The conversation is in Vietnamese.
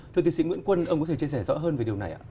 thưa tiến sĩ nguyễn quân ông có thể chia sẻ rõ hơn về điều này ạ